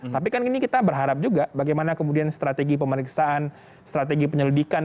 tapi kan ini kita berharap juga bagaimana kemudian strategi pemeriksaan strategi penyelidikan